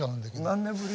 何年ぶり？